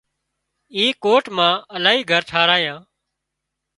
اي ڪوٽ مان الاهي گھر ٺاهرايان